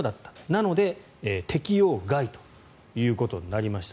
なので適用外ということになりました。